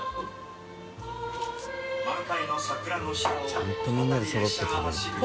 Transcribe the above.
ちゃんとみんなでそろって食べる。